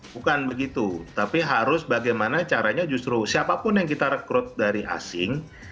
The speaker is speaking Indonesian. bukan begitu tapi harus bagaimana caranya justru siapapun yang kita rekrut dari asing